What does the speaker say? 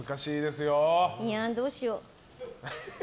いやん、どうしよう。